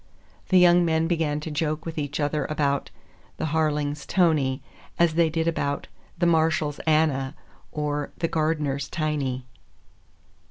The young men began to joke with each other about "the Harlings' Tony" as they did about "the Marshalls' Anna" or "the Gardeners' Tiny."